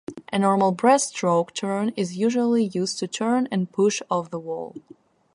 A normal breaststroke turn is usually used to turn and push off the wall.